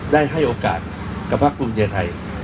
ได้ให้โอกาสกับพักภูมิเศรษฐ์ไทย